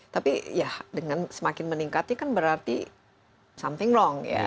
tapi ya dengan semakin meningkatnya kan berarti something wrong ya